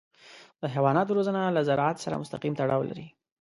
د حیواناتو روزنه له زراعت سره مستقیم تړاو لري.